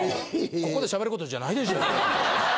ここでしゃべる事じゃないでしょう。